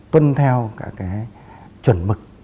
tuân theo cả cái chuẩn mực